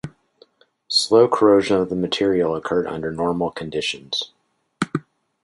Slow corrosion of the material occurred under normal conditions.